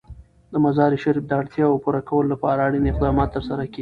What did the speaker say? د مزارشریف د اړتیاوو پوره کولو لپاره اړین اقدامات ترسره کېږي.